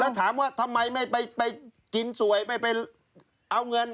แล้วถามว่าทำไมไม่ไปกินสวยไม่ไปเอาเงิน